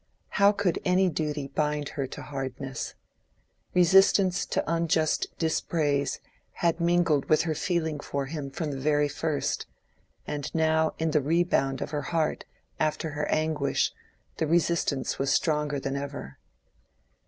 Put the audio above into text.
How could any duty bind her to hardness? Resistance to unjust dispraise had mingled with her feeling for him from the very first, and now in the rebound of her heart after her anguish the resistance was stronger than ever.